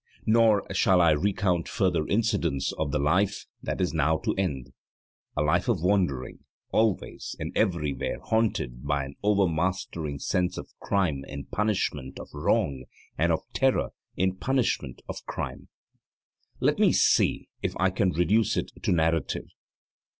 Nor shall I recount further incidents of the life that is now to end a life of wandering, always and everywhere haunted by an overmastering sense of crime in punishment of wrong and of terror in punishment of crime. Let me see if I can reduce it to narrative.